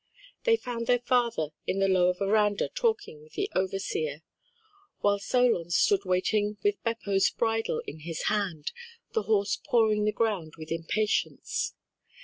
They found their father in the lower veranda talking with the overseer, while Solon stood waiting with Beppo's bridle in his hand, the horse pawing the ground with impatience.